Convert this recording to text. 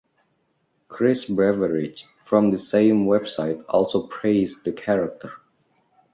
Chris Beveridge from the same website also praised the character.